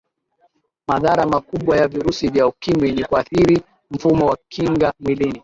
madhara makubwa ya virusi vya ukimwi ni kuathiri mfumo wa kinga mwilini